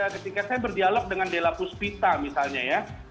ketika saya berdialog dengan della puspita misalnya ya